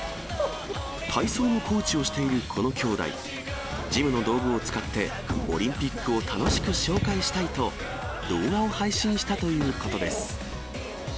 体操のコーチをしているこの兄弟、ジムの道具を使って、オリンピックを楽しく紹介したいと、動画を配信したということです。